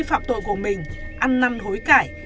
phạm tội của mình ăn năn hối cải